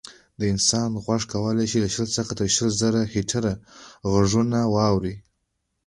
د انسان غوږ کولی شي شل څخه تر شل زره هیرټز غږونه واوري.